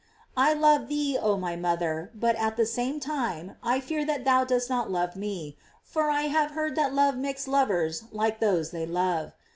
I love thee, oh my mother, but at the same time I fear that thou dost not love me, for I have heard that love makes lovers like those they love.